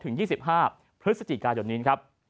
ใน๒๒๒๕พกนิครับ